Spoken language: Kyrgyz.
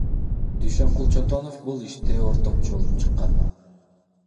Дүйшөнкул Чотонов бул иште ортомчу болуп чыккан.